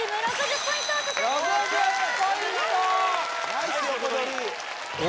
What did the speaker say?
ナイス横取り